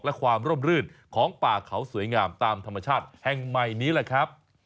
และความร่มรื่นของป่าเขาสวยงามตามธรรมชาติแห่งใหม่นี้แหละครับ